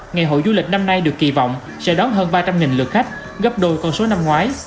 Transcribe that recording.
ngày hội du lịch năm nay được kỳ vọng sẽ đón hơn ba trăm linh lượt khách gấp đôi con số năm ngoái